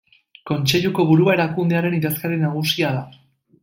Kontseiluko burua erakundearen idazkari nagusia da.